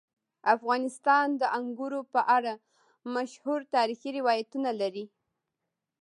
افغانستان د انګورو په اړه مشهور تاریخي روایتونه لري.